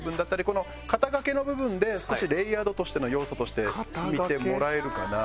この肩がけの部分で少しレイヤードとしての要素として見てもらえるかな。